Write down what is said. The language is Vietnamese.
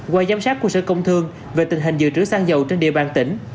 qua giám sát của sở công thương về tình hình dự trữ xăng dầu trên địa bàn tỉnh